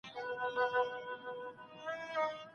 ویره د پرمختګ لپاره خنډ دی.